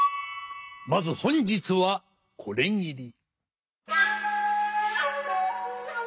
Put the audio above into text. まず本日はこれぎり。